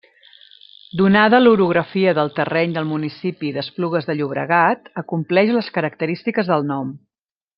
Donada l'orografia del terreny del municipi d'Esplugues de Llobregat acompleix les característiques del nom.